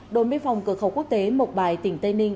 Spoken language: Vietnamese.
đồn biên phòng cửa khẩu quốc tế mộc bài tỉnh tây ninh